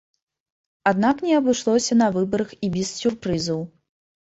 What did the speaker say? Аднак не абышлося на выбарах і без сюрпрызаў.